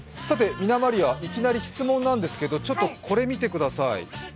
みな、まりあ、いきなり質問なんですけれども、これ見てください。